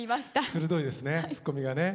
鋭いですねツッコミがね。